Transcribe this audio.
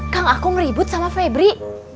kang aku ngeribut sama febri